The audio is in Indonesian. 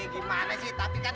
gimana sih tapi kan